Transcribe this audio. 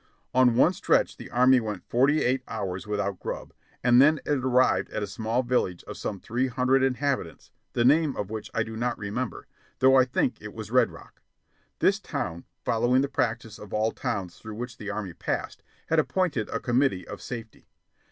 On one stretch the Army went forty eight hours without grub; and then it arrived at a small village of some three hundred inhabitants, the name of which I do not remember, though I think it was Red Rock. This town, following the practice of all towns through which the Army passed, had appointed a committee of safety.